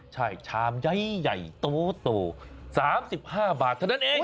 ใช่ชามใหญ่โต๓๕บาทเท่านั้นเอง